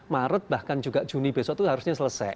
maret bahkan juga juni besok itu harusnya selesai